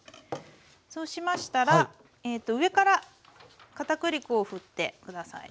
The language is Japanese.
そうしましたら上から片栗粉をふって下さいね。